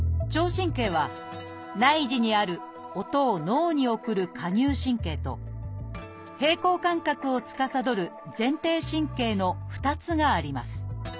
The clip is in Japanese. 神経は内耳にある音を脳に送る蝸牛神経と平衡感覚をつかさどる前庭神経の２つがあります。